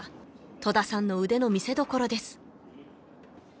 戸田さんの腕の見せどころです